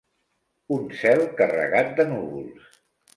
Un cel carregat de núvols.